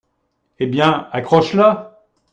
Eh bien, accroche-la.